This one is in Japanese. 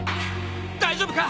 大丈夫か？